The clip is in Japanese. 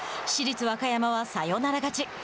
市立和歌山はサヨナラ勝ち。